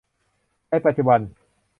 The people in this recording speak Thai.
ในปัจจุบัน